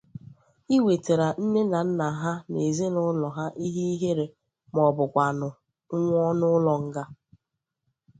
iwetara nne na nna ha na ezinụlọ ha ihe ihere maọbụkwanụ nwụọ n'ụlọ nga